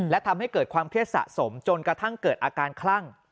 และทำให้เกิดความเครียดสะสมจนกระทั่งเกิดอาการคลั่ง